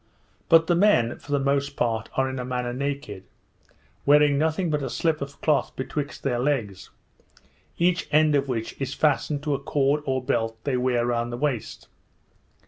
But the men, for the most part, are in a manner naked, wearing nothing but a slip of cloth betwixt their legs, each end of which is fastened to a cord or belt they wear round the waist.